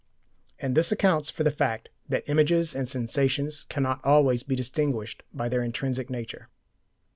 And this accounts for the fact that images and sensations cannot always be distinguished by their intrinsic nature.